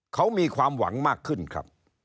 เขามีความหวังมากขึ้นครับ